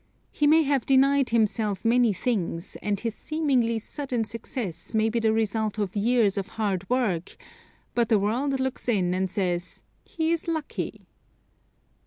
He may have denied himself many things, and his seemingly sudden success may be the result of years of hard work, but the world looks in and says: "He is lucky."